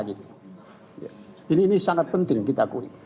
ini sangat penting kita akui